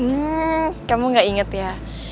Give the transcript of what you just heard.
hmm kamu gak inget ya